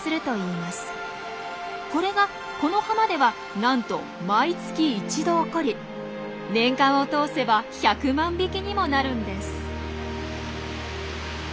これがこの浜ではなんと毎月一度起こり年間を通せば１００万匹にもなるんです。